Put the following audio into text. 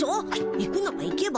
行くなら行けば。